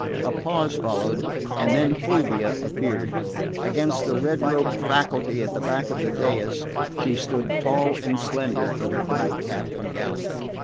A pause followed, and then Fulvia appeared. Against the red robed faculty at the back of the dais, she stood tall and slender in her black cap and gown.